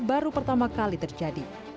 baru pertama kali terjadi